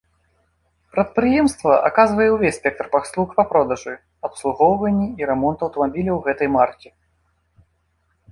Прадпрыемства аказвае ўвесь спектр паслуг па продажы, абслугоўванні і рамонту аўтамабіляў гэтай маркі.